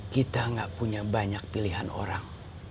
kita gak punya banyak pilihan orang